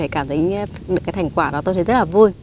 cảm thấy được cái thành quả đó tôi thấy rất là vui